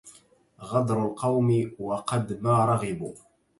غدر القوم وقد ما رغبوا